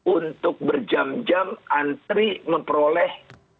untuk berjam jam antri memperoleh